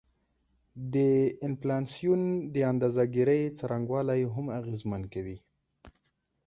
د انفلاسیون د اندازه ګيرۍ څرنګوالی هم اغیزمن کوي